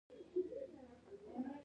کندهارۍ لهجه ولي خوږه ده ؟